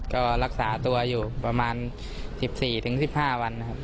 ก็รักษาตัวอยู่ประมาณ๑๔๑๕วันนะครับ